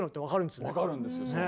分かるんですよ